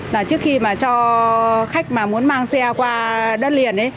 là trước khi mà cho khách mà muốn mang xe qua đất liền ấy